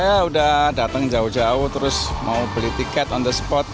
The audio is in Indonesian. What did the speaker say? saya sudah datang jauh jauh terus mau beli tiket on the spot